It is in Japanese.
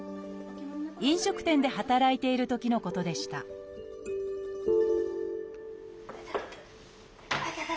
飲食店で働いているときのことでしたいたたた。